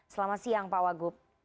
selamat siang pak wagup